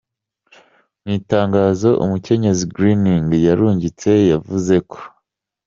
Mw'itangazo umukenyezi Greening yarungitse yavuze ko ".